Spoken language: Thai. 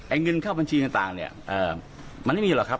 เงินเข้าบัญชีต่างเนี่ยมันไม่มีหรอกครับ